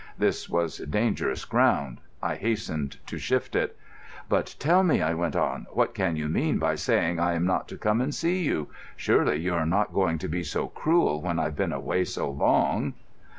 This was dangerous ground. I hastened to shift it. "But tell me," I went on, "what can you mean by saying I am not to come and see you? Surely you are not going to be so cruel, when I've been away so long."